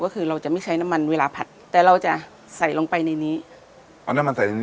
ก็คือเราจะไม่ใช้น้ำมันเวลาผัดแต่เราจะใส่ลงไปในนี้เอาน้ำมันใส่ในนี้